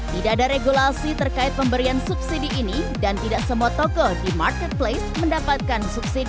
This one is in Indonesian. tidak ada regulasi terkait pemberian subsidi ini dan tidak semua toko di marketplace mendapatkan subsidi